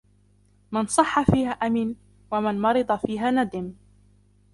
مَنْ صَحَّ فِيهَا أَمِنَ وَمَنْ مَرِضَ فِيهَا نَدِمَ